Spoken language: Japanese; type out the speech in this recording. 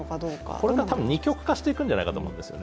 これから二極化していくんじゃないかと思うんですね。